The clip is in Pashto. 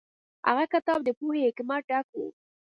هغه کتاب د پوهې او حکمت ډک و.